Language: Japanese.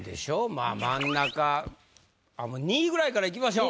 まあ真ん中２位ぐらいからいきましょう。